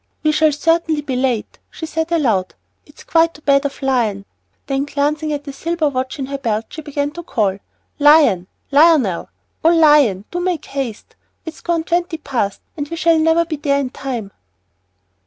"We shall certainly be late," she said aloud, "and it's quite too bad of Lion." Then, glancing at the little silver watch in her belt, she began to call, "Lion! Lionel! Oh, Lion! do make haste! It's gone twenty past, and we shall never be there in time."